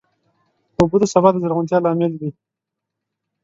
اوبه د سبا د زرغونتیا لامل دي.